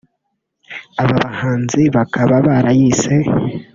aba bahanzi bakaba barayise